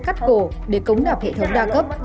cắt cổ để cống đạp hệ thống đa cấp